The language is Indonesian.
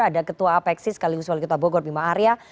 ada ketua apexi sekaligus wali kota bogor bima arya